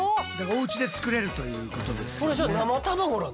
おうちで作れるということですね。